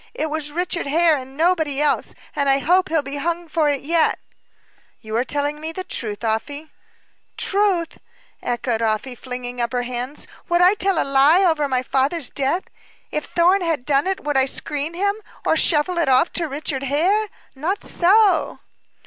It was Richard Hare, and nobody else, and I hope he'll be hung for it yet." "You are telling me the truth, Afy?" gravely spoke Mr. Carlyle. "Truth!" echoed Afy, flinging up her hands. "Would I tell a lie over my father's death? If Thorn had done it, would I screen him, or shuffle it off to Richard Hare? Not so."